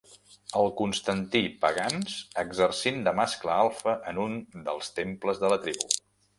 El Constantí Pagans exercint de mascle alfa en un dels temples de la tribu.